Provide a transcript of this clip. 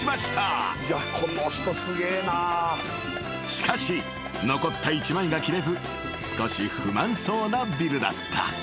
［しかし残った一枚が切れず少し不満そうなビルだった］